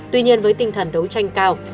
tuy nhiên với tinh thần đấu tranh cao